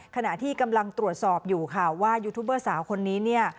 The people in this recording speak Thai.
ขณะที่กำลังตรวจสอบอยู่ค่ะว่ายูทูบเบอร์สาวคนนี้เนี่ย